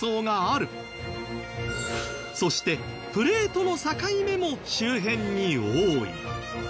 そしてプレートの境目も周辺に多い。